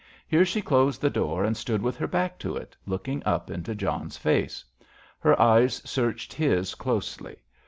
Here she closed the door and stood with her back to it, looking up into John's face. Her eyes searched his closely.